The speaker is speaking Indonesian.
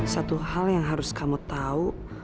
satu hal yang harus kamu tahu